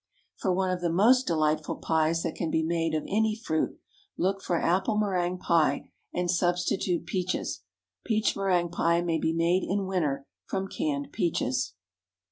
For one of the most delightful pies that can be made of any fruit, look for apple méringue pie, and substitute peaches. Peach méringue pie may be made in winter from canned peaches.